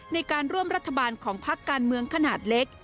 ในการร่วมรัฐบาลของพักการเมืองขนาดเล็ก